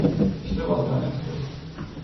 اشتباه دانسته